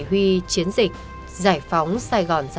hướng tây nam